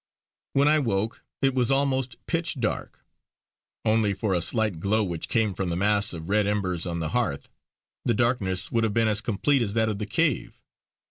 When I woke it was almost pitch dark; only for a slight glow which came from the mass of red embers on the hearth the darkness would have been as complete as that of the cave.